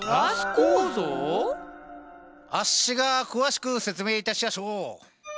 あっしが詳しく説明いたしやしょう。